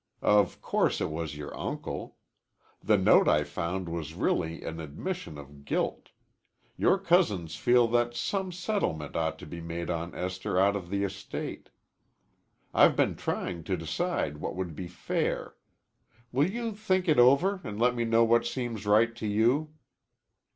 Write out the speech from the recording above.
Of course it was your uncle. The note I found was really an admission of guilt. Your cousins feel that some settlement ought to be made on Esther out of the estate. I've been trying to decide what would be fair. Will you think it over and let me know what seems right to you?"